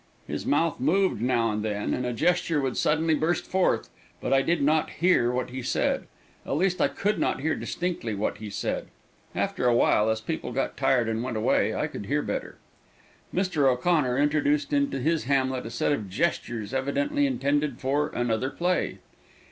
His mouth moved now and then, and a gesture would suddenly burst forth, but I did not hear what he said. At least I could not hear distinctly what he said. After awhile, as people got tired and went away, I could hear better. Mr. O'Connor introduced into his Hamlet a set of gestures evidently intended for another play.